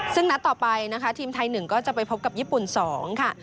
ซึ่งนัดต่อไปนะคะทีมไทย๑ก็จะไปพบกับญี่ปุ่น๒ค่ะ